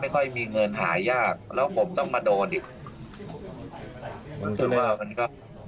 ไม่ค่อยมีเงินหายากแล้วผมต้องมาโดนอีก